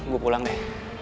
gue pulang deh